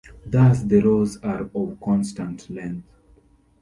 Thus, the rows are of constant length.